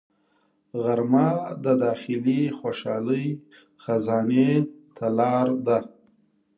غرمه د داخلي خوشحالۍ خزانې ته لار ده